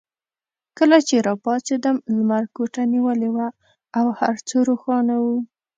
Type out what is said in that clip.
کله چې راپاڅېدم لمر کوټه نیولې وه او هر څه روښانه وو.